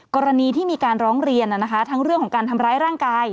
กรณีที่มีการร้องเรียนทั้งเรื่องของการทำร้ายร่างกาย